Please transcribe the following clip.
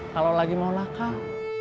kalau lagi mau lakar